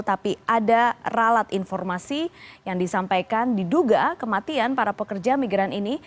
tapi ada ralat informasi yang disampaikan diduga kematian para pekerja migran ini